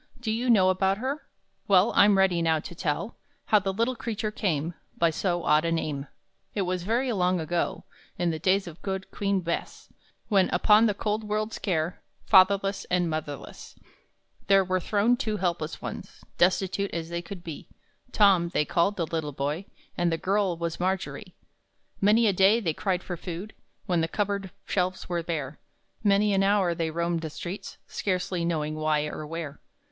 Do you know about her? Well, I'm ready now to tell How the little creature came By so odd a name. It was very long ago, In the days of good Queen Bess, When upon the cold world's care, Fatherless and motherless, There were thrown two helpless ones, Destitute as they could be; Tom, they called the little boy, And the girl was Margery. Many a day they cried for food When the cup board shelves were bare; Many an hour they roamed the streets Scarcely knowing why or where.